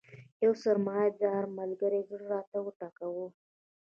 یو سرمایه دار ملګري زړه راته وټکاوه.